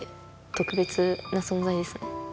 特別な存在です。